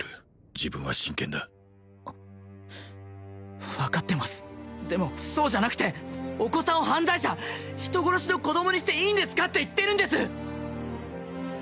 自分は真剣だ分かってますでもそうじゃなくてお子さんを犯罪者人殺しの子供にしていいんですかって言ってるんです